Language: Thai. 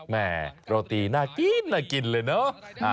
แม่โรตีน่ากินน่ากินเลยเนอะ